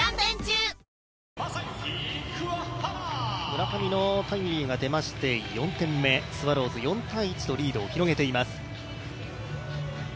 村上のタイムリーが出まして４点目、スワローズ、４−１とリードを広げています。